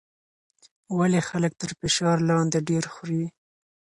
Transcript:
ولې خلک تر فشار لاندې ډېر خوري؟